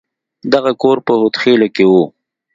دغه کور په هود خيلو کښې و.